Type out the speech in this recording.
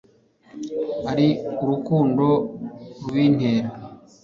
Ari urukundo rubintera